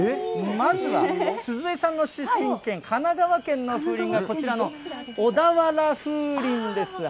まずは鈴江さんの出身県、神奈川県の風鈴が、こちらの小田原風鈴です。